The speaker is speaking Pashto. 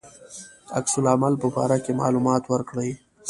عکس العمل په باره کې معلومات ورکړي.